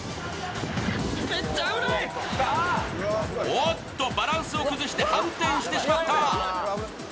おっと、バランスを崩して反転してしまった。